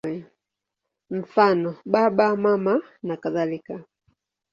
Mfano: Baba, Mama nakadhalika.